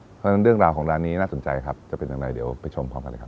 เพราะฉะนั้นเรื่องราวของร้านนี้น่าสนใจครับจะเป็นอย่างไรเดี๋ยวไปชมพร้อมกันเลยครับ